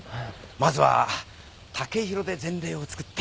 まずは剛洋で前例を作って。